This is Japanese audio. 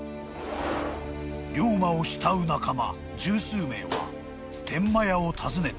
［龍馬を慕う仲間十数名は天満屋を訪ねた］